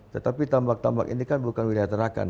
tetapi tambak tambak ini kan bukan wilayah terakan